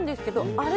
あれ